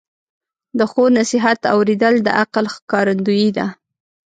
د ښو نصیحت اوریدل د عقل ښکارندویي ده.